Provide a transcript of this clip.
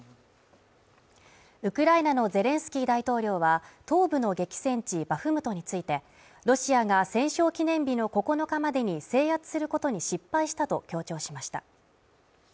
ウクライナのゼレンスキー大統領は東部の激戦地バフムトについてロシアが戦勝記念日の９日までに制圧することに失敗したと強調しました。